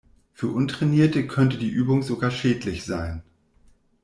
Für Untrainierte könnte die Übung sogar schädlich sein.